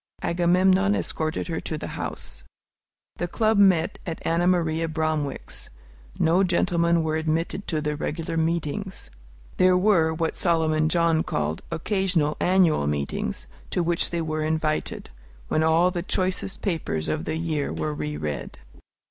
Agamemnon escorted her to the house. The Club met at Ann Maria Bromwick's. No gentlemen were admitted to the regular meetings. There were what Solomon John called "occasional annual meetings," to which they were invited, when all the choicest papers of the year were re read.